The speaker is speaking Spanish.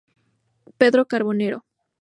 Pedro Carbonero.